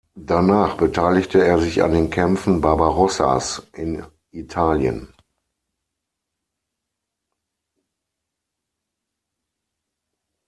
Danach beteiligte er sich an den Kämpfen Barbarossas in Italien.